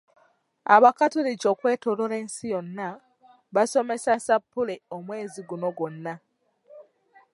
Abakatoliki okwetooloola nsi yonna basoma ssappule omwezi guno gwonna.